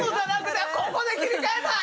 ここで切り替えたー！